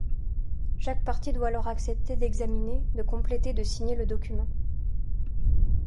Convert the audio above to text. Chaque partie doit alors accepter d'examiner, de compléter et de signer le document.